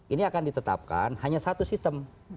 ini akan ditetapkan hanya satu sistem